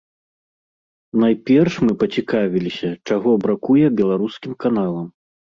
Найперш, мы пацікавіліся, чаго бракуе беларускім каналам.